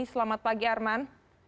selamat pagi arman